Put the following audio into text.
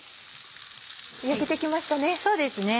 焼けてきましたね。